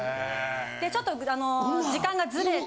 ちょっと時間がズレて。